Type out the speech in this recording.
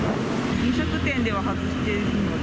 飲食店では外しているので。